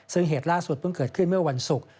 ซึ่งเหตุล่าสุดเพิ่งเกิดขึ้นเมื่อวันศุกร์